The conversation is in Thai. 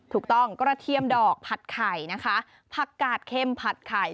กระเทียมดอกผัดไข่นะคะผักกาดเข้มผัดไข่